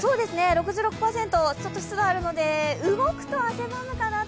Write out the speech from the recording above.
６６％、ちょっと湿度があるので、動くと汗ばむかなと。